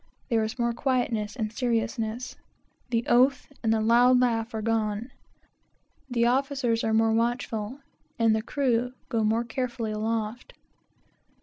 There is more quietness and seriousness. The oath and the loud laugh are gone. The officers are more watchful, and the crew go more carefully aloft.